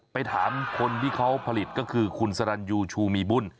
ไปถามคนที่เขาผลิตก็คือคุณสรรยูชูมีบุญ